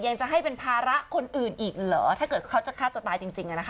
ยังจะให้เป็นภาระคนอื่นอีกเหรอถ้าเกิดเขาจะฆ่าตัวตายจริงจริงอ่ะนะคะ